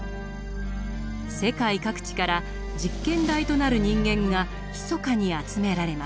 世界各地から実験台となる人間がひそかに集められます。